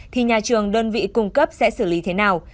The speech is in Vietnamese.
thì nhà trường đơn vị cung cấp sẽ xử lý thế nào